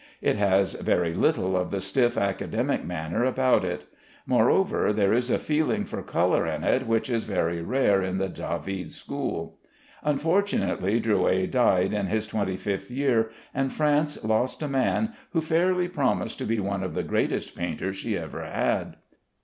It has very little of the stiff academic manner about it. Moreover, there is a feeling for color in it which is very rare in the David school. Unfortunately Drouais died in his twenty fifth year, and France lost a man who fairly promised to be one of the greatest painters she ever had.